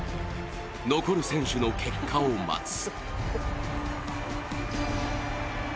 残る選手の結果を待つ。